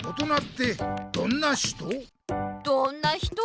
どんな人？